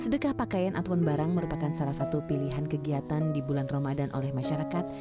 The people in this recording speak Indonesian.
dan atuan barang merupakan salah satu pilihan kegiatan di bulan ramadan oleh masyarakat